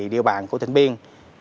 địa bàn của tịnh biên